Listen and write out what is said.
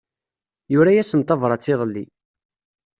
Yura-asen tabrat iḍelli.